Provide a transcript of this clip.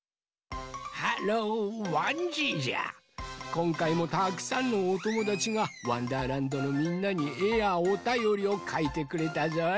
こんかいもたくさんのおともだちが「わんだーらんど」のみんなにえやおたよりをかいてくれたぞい。